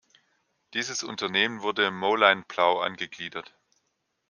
Dieses Unternehmen wurde "Moline Plow" angegliedert.